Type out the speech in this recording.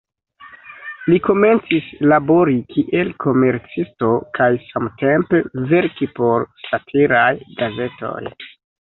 Li komencis labori kiel komercisto kaj samtempe verki por satiraj gazetoj.